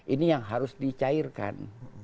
ini yang harus dicairkan